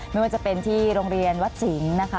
ไม่ว่าจะเป็นที่โรงเรียนวัดสิงห์นะคะ